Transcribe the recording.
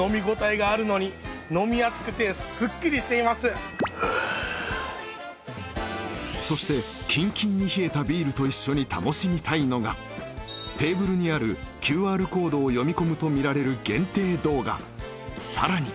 こんなにしていますああそしてキンキンに冷えたビールと一緒に楽しみたいのがテーブルにあるＱＲコードを読み込むと見られる限定動画さらに